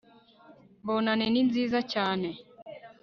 bonane ni nziza cyane